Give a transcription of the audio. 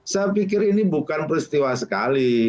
saya pikir ini bukan peristiwa sekali